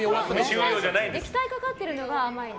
液体かかってるのが甘いの？